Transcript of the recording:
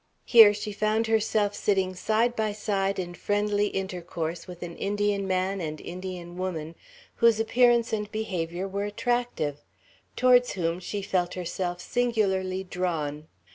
Here she found herself sitting side by side in friendly intercourse with an Indian man and Indian woman, whose appearance and behavior were attractive; towards whom she felt herself singularly drawn.